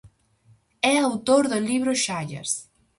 É autor do libro Xallas.